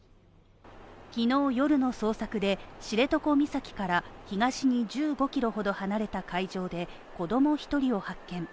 昨日夜の捜索で、知床岬から東に１５キロほど離れた海上で子供１人を発見。